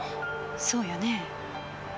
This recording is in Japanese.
そうよねえ？